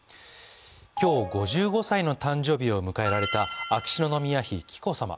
今日５５歳の誕生日を迎えられた秋篠宮妃・紀子さま。